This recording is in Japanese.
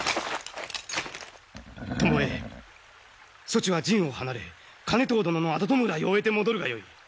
巴そちは陣を離れ兼遠殿の後弔いを終えて戻るがよい。